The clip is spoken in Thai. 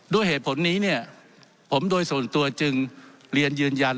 ด้วยเหตุผลนี้เนี่ยผมโดยส่วนตัวจึงเรียนยืนยัน